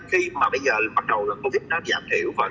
khi bắt đầu covid giảm thiểu